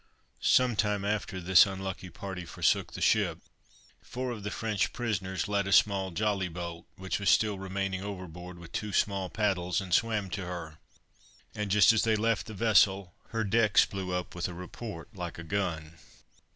Some time after this unlucky party forsook the ship, four of the French prisoners let a small jolly boat, which was still remaining, overboard, with two small paddles, and swam to her; and just as they left the vessel, her decks blew up with a report like a gun.